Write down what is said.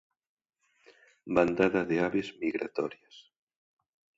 Bandada de aves migratorias.